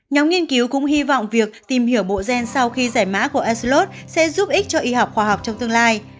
nhóm nghiên cứu cũng hy vọng việc tìm hiểu bộ gen sau khi giải mã của urslot sẽ giúp ích cho y học khoa học trong tương lai